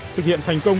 thực hiện thành công